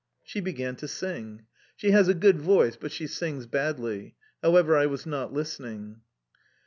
She began to sing. She has a good voice, but she sings badly... However, I was not listening.